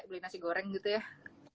beli nasi goreng gitu ya